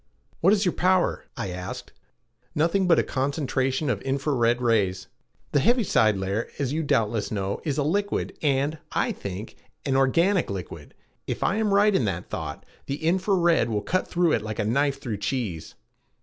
"What is your power?" I asked. "Nothing but a concentration of infra red rays. The heaviside layer, as you doubtless know, is a liquid and, I think, an organic liquid. If I am right in that thought, the infra red will cut through it like a knife through cheese."